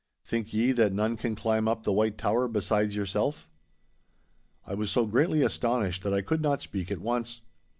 Think ye that none can climb up the W hite Tower besides yourself?' I was so greatly astonished that I could not speak at once.